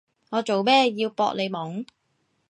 我做咩要搏你懵？